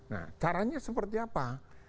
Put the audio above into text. nah caranya seperti apa